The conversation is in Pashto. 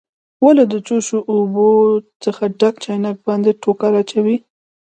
ولې د جوش اوبو څخه ډک چاینک باندې ټوکر اچوئ؟